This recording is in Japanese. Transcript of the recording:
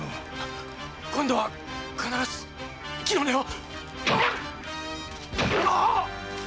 今度は必ず息の根を！